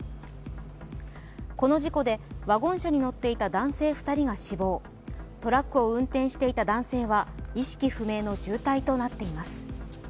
この事故でワゴン車に乗っていた男性２人が死亡、トラックを運転していた男性は意識不明の重体となっています。